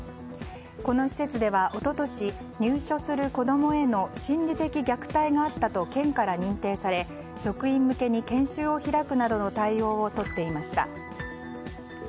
この施設では一昨年入所する子供への心理的虐待があったと県から認定され職員向けに研修を開くなどの対応をとっていました。